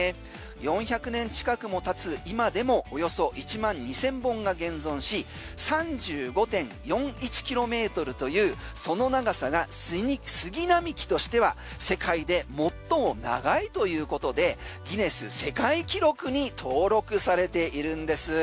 ４００年近くも経つ今でもおよそ１万２０００本が現存し３５．４１ｋｍというその長さが杉並木としては世界で最も長いということでギネス世界記録に登録されているんです。